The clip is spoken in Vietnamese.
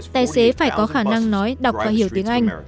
tài xế phải có khả năng nói đọc và hiểu tiếng anh